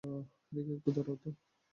রিক, একটু দাঁড়াও তো।